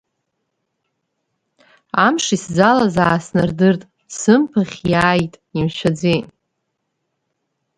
Амш исзалаз ааснардырт, сымԥахь иааиит, имшәаӡеит.